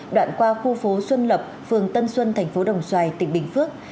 đoạn qua khu phố xuân lập phường tân xuân thành phố đồng xoài tỉnh bình phước